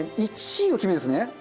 １位を決めるんですね？